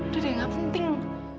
udah deh gak penting